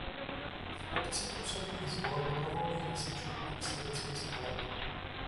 V obci působí i Sbor dobrovolných hasičů a myslivecký spolek.